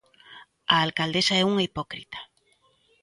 A alcaldesa é unha hipócrita.